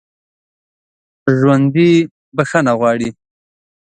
ژوندي بخښنه غواړي